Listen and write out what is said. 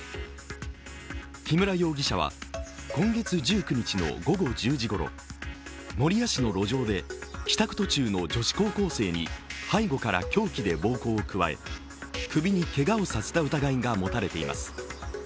木村容疑者は今月１９日の午後１０時ごろ守谷市の路上で、帰宅途中の女子高校生に背後から凶器で暴行を加え、首にけがをさせた疑いが持たれています。